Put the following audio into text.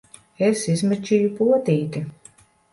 Es izmežģīju potīti!